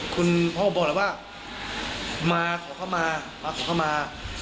คุณพ่อบอกแล้วว่ามาขอเข้ามามาขอเข้ามา